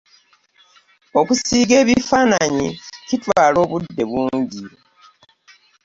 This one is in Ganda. Okusiiga ebifaananyi kitwala obudde bungi.